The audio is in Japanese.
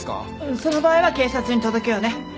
その場合は警察に届けようね。